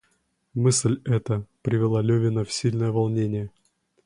Мысль эта привела Левина в сильное волнение.